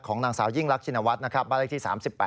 ของนางสาวยิ่งรักชินวัตรบ้านลิขที่๓๘๙